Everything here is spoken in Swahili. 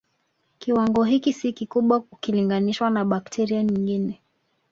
Kiwango hiki si kikubwa ukilinganishwa na bakteria nyingine